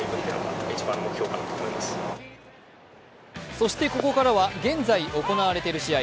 そしてここからは現在行われている試合。